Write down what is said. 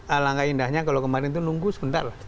alangkah indahnya kalau kemarin itu nunggu sebentar lah